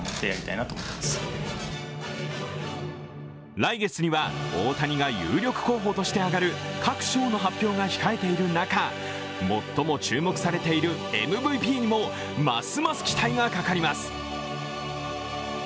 来月には、大谷が有力候補として挙がる各賞の発表が控えている中最も注目されているＭＶＰにもますます期待がかかります。